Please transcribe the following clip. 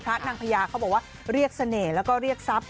นางพญาเขาบอกว่าเรียกเสน่ห์แล้วก็เรียกทรัพย